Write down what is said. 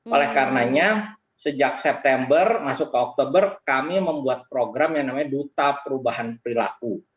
oleh karenanya sejak september masuk ke oktober kami membuat program yang namanya duta perubahan perilaku